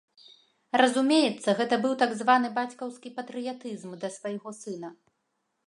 Разумеецца, гэта быў так званы бацькаўскі патрыятызм да свайго сына.